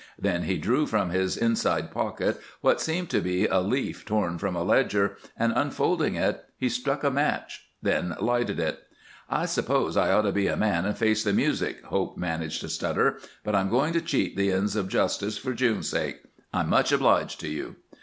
Then he drew from his inside pocket what seemed to be a leaf torn from a ledger, and, unfolding it, he struck a match, then lighted it. "I suppose I ought to be a man and face the music," Hope managed to stutter, "but I'm going to cheat the ends of justice for June's sake. I'm much obliged to you."